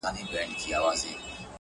• د خوني زمري له خولې وو تښتېدلی ,